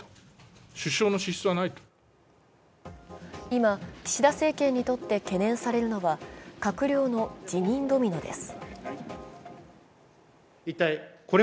今、岸田政権にとって懸念されるのは閣僚の辞任ドミノです。